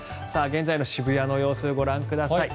現在の渋谷の様子ご覧ください。